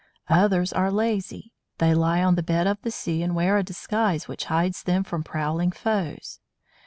Others are lazy; they lie on the bed of the sea, and wear a disguise which hides them from prowling foes.